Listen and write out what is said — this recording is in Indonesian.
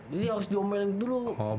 jadi harus diomelin dulu